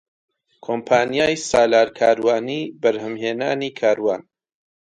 کۆمپانیای سالار کاروانی بەرهەمهێنانی کاروان